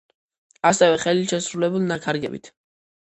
ასევე ხელით შესრულებული ნაქარგებით.